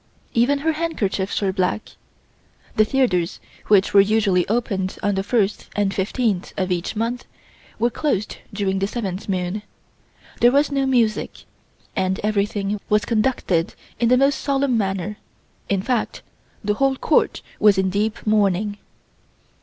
Even her handkerchiefs were black. The theatres which were usually opened on the first and fifteenth of each month, were closed during the seventh moon. There was no music, and everything was conducted in the most solemn manner; in fact, the whole Court was in deep mourning.